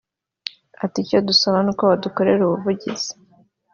Ati “ Icyo dusaba ni uko badukorera ubuvugizi